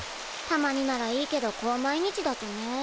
たまにならいいけどこう毎日だとね。